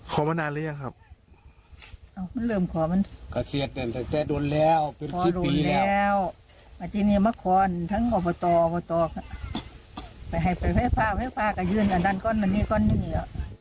ไปให้ฟ้าก็ยื่นอันนั้นก้อนนี้ก้อนนี้